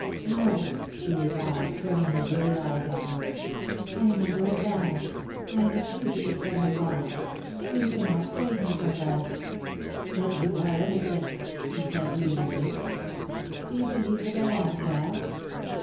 "No," she replied, turning her weary eyes on him. "I am under a ban. I am a fugitive from the law. You cannot save me from that." "But you are innocent," he said vehemently. "Do you believe that I am, Giles?"